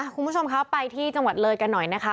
คุณผู้ชมครับไปที่จังหวัดเลยกันหน่อยนะคะ